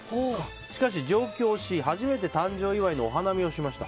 しかし、上京し初めて誕生祝いのお花見をしました。